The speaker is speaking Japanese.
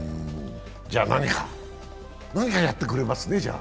じゃ、何かやってくれますね？